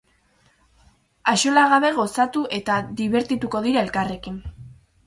Axolagabe gozatu eta dibertituko dira elkarrekin.